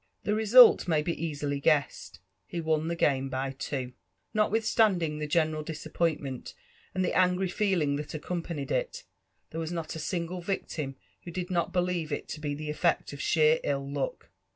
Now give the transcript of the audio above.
The result may be easily guessed — he won the game by two, Notwithstanding the general disappointment and the angry feeling that accompanied it, there was not a single victim who did not believe U to* be the efiect of sheer ill luck.